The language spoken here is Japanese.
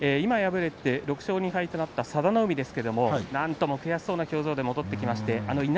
今、敗れて６勝２敗となった佐田の海ですが、なんとも悔しそうな表情で戻ってきました。